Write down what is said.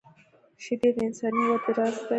شیدې د انساني وده راز دي